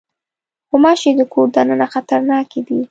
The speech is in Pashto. غوماشې د کور دننه خطرناکې دي.